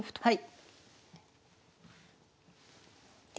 はい。